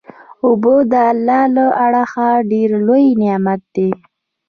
اوبه د الله له اړخه ډیر لوئ نعمت دی